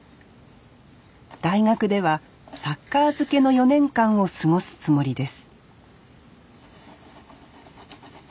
大学ではサッカー漬けの４年間を過ごすつもりです